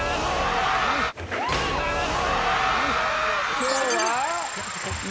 今日は。